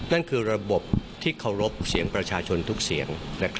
นั่นคือระบบที่เคารพเสียงประชาชนทุกเสียง